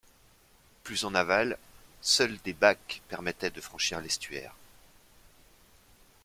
Plus en aval, seuls des bacs permettaient de franchir l'estuaire.